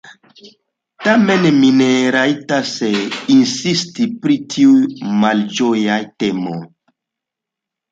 Tamen mi ne rajtas insisti pri tiuj malĝojaj temoj.